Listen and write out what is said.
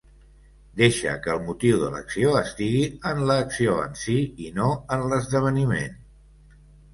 Deixa que el motiu de l’acció estigui en l’acció en si i no en l’esdeveniment.